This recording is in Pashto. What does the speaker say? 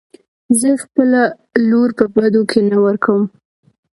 زه خپله لور په بدو کې نه ورکم .